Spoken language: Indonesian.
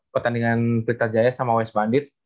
pertandingan pertarjaya sama west bandit